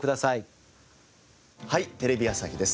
『はい！テレビ朝日です』